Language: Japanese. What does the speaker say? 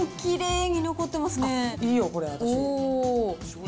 いいよ、これ。